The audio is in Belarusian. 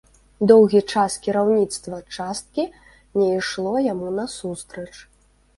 Доўгі час кіраўніцтва часткі не ішло яму насустрач.